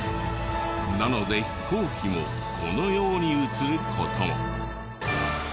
なので飛行機もこのように写る事も。